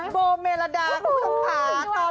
โบเมลาดาทุกคนค่ะ